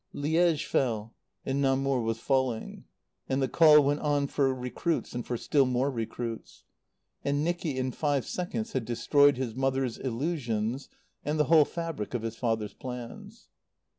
Liége fell and Namur was falling. And the call went on for recruits, and for still more recruits. And Nicky in five seconds had destroyed his mother's illusions and the whole fabric of his father's plans.